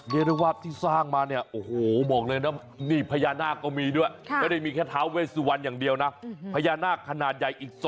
เยตนวัพท์ที่สร้างมาได้ช่างวัคคุณมากมาก